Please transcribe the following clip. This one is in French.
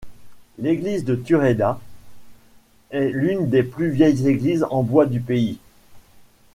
L'église de Turaida est l'une des plus vieilles églises en bois du pays.